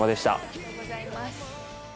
ありがとうございます。